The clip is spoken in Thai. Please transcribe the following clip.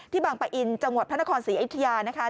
บางปะอินจังหวัดพระนครศรีอยุธยานะคะ